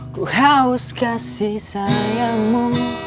kuhaus kasih sayangmu